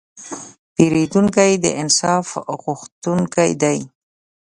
پیرودونکی د انصاف غوښتونکی دی.